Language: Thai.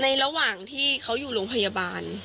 ระหว่างที่เขาอยู่โรงพยาบาล